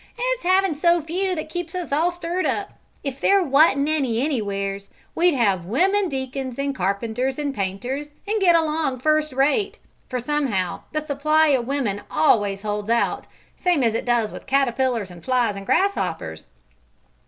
"It's havin' so few that keeps us all stirred up. If there wa'n't any anywheres, we'd have women deacons and carpenters and painters, and get along first rate; for somehow the supply o' women always holds out, same as it does with caterpillars an' flies an' grasshoppers!"